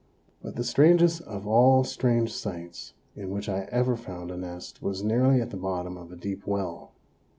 But the strangest of all strange sites in which I ever found a nest was nearly at the bottom of a deep well!